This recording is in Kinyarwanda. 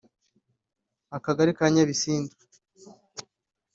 Akagari ka Nyabisindi